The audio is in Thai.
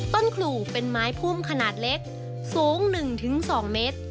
ต้นขรูเป็นไม้พุ่มขนาดเล็กโซ่ง๑๒เมตร